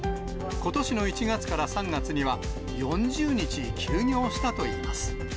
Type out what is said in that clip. ことしの１月から３月には、４０日休業したといいます。